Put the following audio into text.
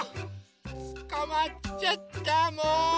つかまっちゃったもう！